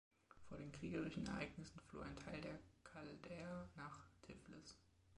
Vor den kriegerischen Ereignissen floh ein Teil der Chaldäer nach Tiflis.